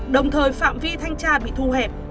đồng thời phạm vi thanh tra bị thu hẹp